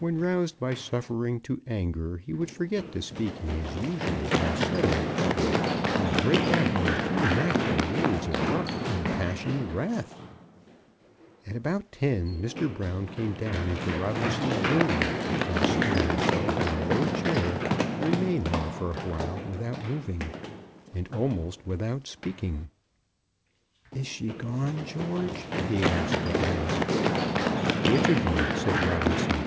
When roused by suffering to anger he would forget to speak in his usual falsetto treble, and break out in a few natural words of rough impassioned wrath. At about ten, Mr. Brown came down into Robinson's room, and, seating himself on a low chair, remained there for awhile without moving, and almost without speaking. "Is she gone, George?" he asked at last. "Which of them?" said Robinson.